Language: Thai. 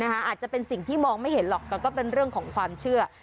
อาจจะเป็นสิ่งที่มองไม่เห็นหรอกแต่ก็เป็นเรื่องของความเชื่อ